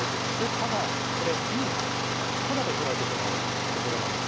ただこれ銀タダで取られてしまうところなんです。